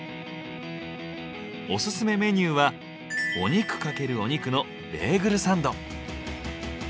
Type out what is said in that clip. オススメメニューは「お肉×お肉」のベーグルサンド。